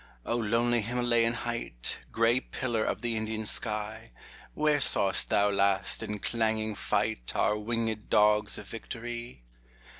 O lonely Himalayan height, Gray pillar of the Indian sky, Where saw'st thou last in clanging fight Our wingdd dogs of Victory